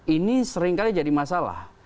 ini seringkali jadi masalah